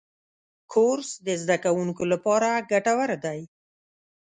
کورس د زدهکوونکو لپاره ګټور دی.